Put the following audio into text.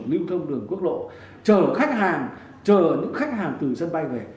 lưu thông đường quốc lộ chở khách hàng chở những khách hàng từ sân bay về